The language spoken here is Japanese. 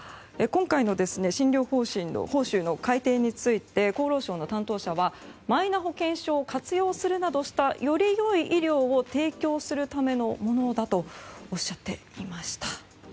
今回の診療報酬の改定について厚労省の担当者はマイナ保険証を活用するなどしたよりよい医療を提供するためのものだとおっしゃっていました。